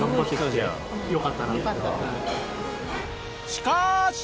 しかし！